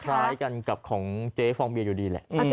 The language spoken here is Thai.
คล้ายกันกับของเจ๊ฟองเบียอยู่ดีแหละ